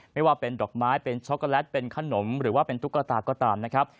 ไม่ว่าเป็นดอกไม้เป็นช็อกโกแลตเป็นขนมหรือว่าเป็นตุ๊กตาก็ตามนะครับ